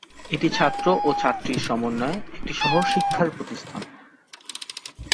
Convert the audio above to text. এটি ছাত্র ও ছাত্রীর সমন্বয়ে একটি সহ শিক্ষার প্রতিষ্ঠান।